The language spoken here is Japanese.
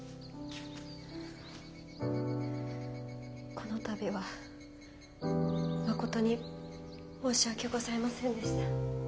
この度はまことに申し訳ございませんでした。